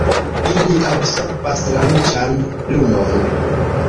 Ili absorbas la ruĝan lumon.